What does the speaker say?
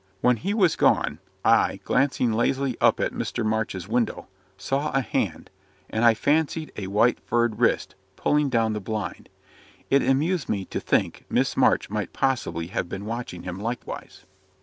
When he was gone, I, glancing lazily up at Mr. March's window, saw a hand, and I fancied a white furred wrist, pulling down the blind. It amused me to think Miss March might possibly have been watching him likewise.